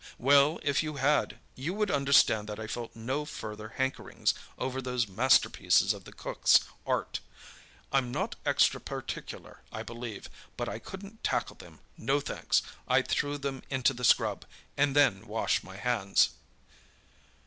Well, if you had, you would understand that I felt no further hankerings over those masterpieces of the cook's art. I'm not extra particular, I believe, but I couldn't tackle them—no thanks! I threw them into the scrub—and then washed my hands!"